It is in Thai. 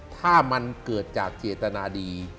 ถ้ามันเกิดจากเจตนาดี